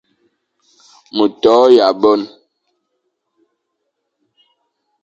Ma to yʼaboñ,